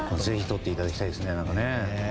ぜひとっていただきたいですね。